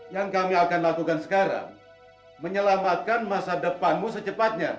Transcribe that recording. yang kami akan lakukan sekarang menyelamatkan masa depanmu secepatnya